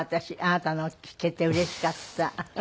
あなたのを聞けてうれしかった。